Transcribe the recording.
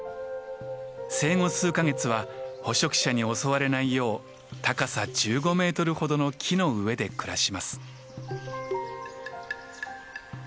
生後数か月は捕食者に襲われないよう高さ１５メートルほどの木の上で暮らします。